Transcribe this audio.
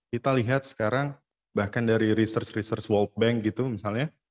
kita lihat sekarang bahkan dari research research world bank gitu misalnya